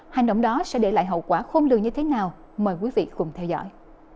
hành động đó sẽ để lại hậu quả khôn lường như thế nào mời quý vị cùng theo dõi